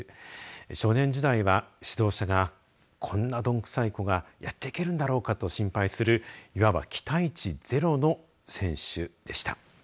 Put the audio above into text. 少年時代は、指導者がこんなどん臭い子がやっていけるんだろうかと心配する、いわば期待値ゼロの選手でした。